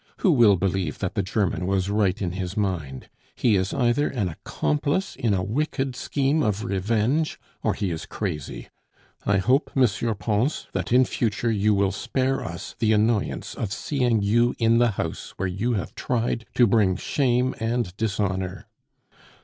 Who will believe that that German was right in his mind? He is either an accomplice in a wicked scheme of revenge, or he is crazy. I hope, M. Pons, that in future you will spare us the annoyance of seeing you in the house where you have tried to bring shame and dishonor."